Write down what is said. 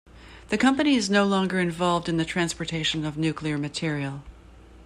The company is no longer involved in the transportation of nuclear material.